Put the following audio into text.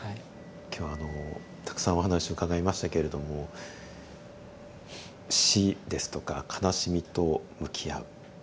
今日はあのたくさんお話を伺いましたけれども死ですとか悲しみと向き合う。